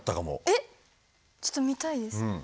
えっちょっと見たいです。